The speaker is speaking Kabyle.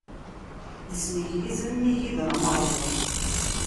Ismigliz am igider ameṛẓu.